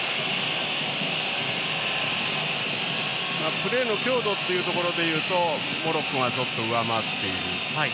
プレーの強度というところでいうとモロッコがちょっと上回っている。